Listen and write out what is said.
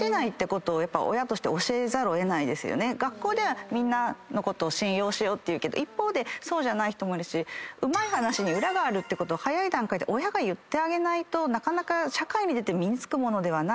学校ではみんなのことを信用しようって言うけど一方でそうじゃない人もいるしうまい話に裏があるってことを早い段階で親が言ってあげないとなかなか社会に出て身に付くものではないので。